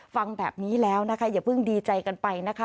ฟังแบบนี้แล้วนะคะอย่าเพิ่งดีใจกันไปนะคะ